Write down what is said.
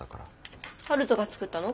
春風が作ったの？